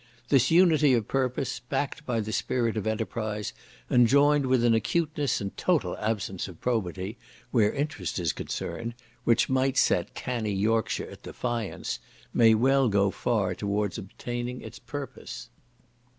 This unity of purpose, backed by the spirit of enterprise, and joined with an acuteness and total absence of probity, where interest is concerned, which might set canny Yorkshire at defiance, may well go far towards obtaining its purpose.